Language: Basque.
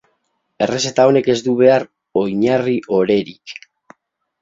Errezeta honek ez du behar oinarri-orerik.